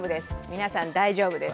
皆さん、大丈夫です。